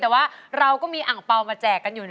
แต่ว่าเราก็มีอ่างเปล่ามาแจกกันอยู่